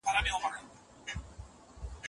علم د ټولنې لپاره د پرمختګ روښانه لاره برابروي.